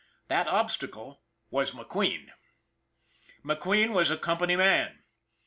That obstacle was McQueen. McQueen was a company man.